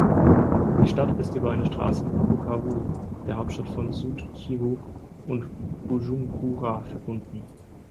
Die Stadt ist über eine Straße mit Bukavu, der Hauptstadt von Sud-Kivu, und Bujumbura verbunden.